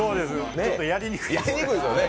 ちょっとやりにくいですね。